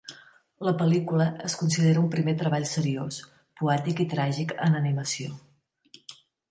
La pel·lícula es considera un primer treball seriós, poètic i tràgic en animació.